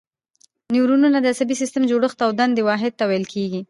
نیورونونه د عصبي سیستم د جوړښت او دندې واحد ته ویل کېږي.